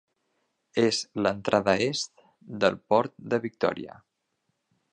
És l'entrada est del port de Victoria.